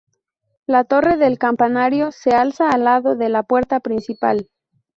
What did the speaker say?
La torre del campanario se alza al lado de la puerta principal.